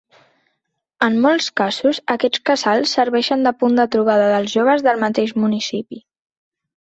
En molts casos aquests casals serveixen de punt de trobada dels joves del mateix municipi.